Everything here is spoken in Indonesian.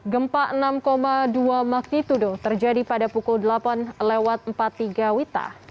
gempa enam dua magnitudo terjadi pada pukul delapan lewat empat puluh tiga wita